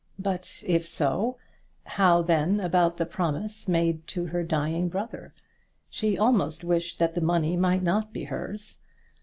But if so, how then about the promise made to her dying brother? She almost wished that the money might not be hers.